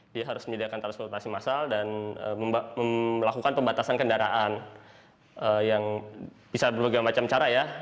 dia harus menyediakan transportasi massal dan melakukan pembatasan kendaraan yang bisa berbagai macam cara ya